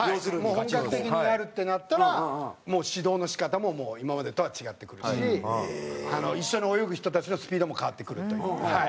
もう本格的にやるってなったらもう指導の仕方も今までとは違ってくるし一緒に泳ぐ人たちのスピードも変わってくるというはい。